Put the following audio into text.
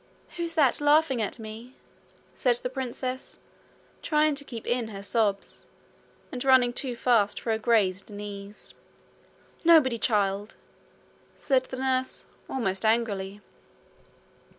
'Who's that laughing at me?' said the princess, trying to keep in her sobs, and running too fast for her grazed knees. 'Nobody, child,' said the nurse, almost angrily.